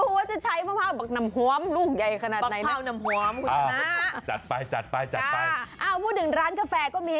โอ้ปักพร้าวน้ำหอม